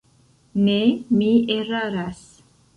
Ne, mi eraras.